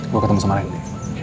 gue ketemu sama randy